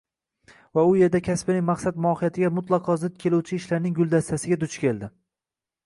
Va u yerda kasbining maqsad-mohiyatiga mutlaqo zid keluvchi ishlarning “guldastasi”ga duch keldi.